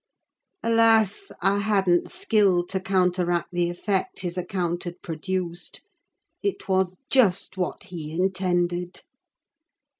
Alas! I hadn't skill to counteract the effect his account had produced: it was just what he intended.